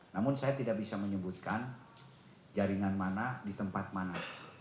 namun saya tidak bisa menyebutkan jaringan mana di tempat mana